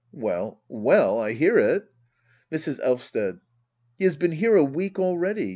Well well— I hear it. Mrs. Elysted. He has been here a week already.